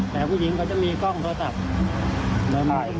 เขาจะโปรดให้ผมมาจับ